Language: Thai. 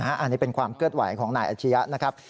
อันนี้เป็นความเคลื่อนไหวของนายอาชียะนะครับ